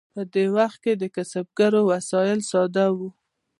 په دې وخت کې د کسبګرو وسایل ساده وو.